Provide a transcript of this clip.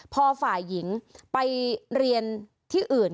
พอฝ่ายหญิงไปเรียนที่อื่น